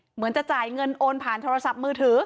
เหมือนจะจ่ายเงินโอนผ่านโทรศัพท์มือถือ